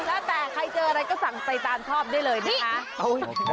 แล้วแต่ใครเจออะไรก็สั่งใส่ตามชอบได้เลยนะคะ